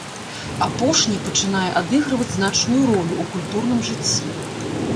Апошні пачынае адыгрываць значную ролю ў культурным жыцці.